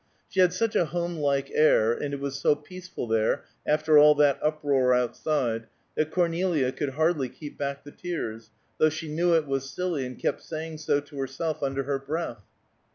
She had such a home like air, and it was so peaceful there, after all that uproar outside, that Cornelia could hardly keep back the tears, though she knew it was silly, and kept saying so to herself under her breath.